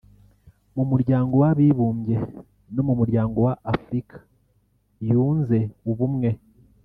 mu muryango w’Abibumbye no mu muryango wa Afurika Yunze Ubumwe